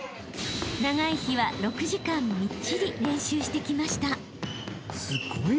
［長い日は６時間みっちり練習してきました］